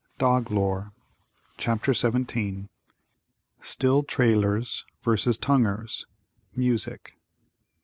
DOG LORE. CHAPTER XVII. STILL TRAILERS VS. TONGUERS. MUSIC.